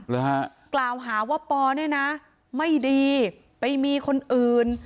หรือฮะกล่าวหาว่าปอเนี่ยนะไม่ดีไปมีคนอื่น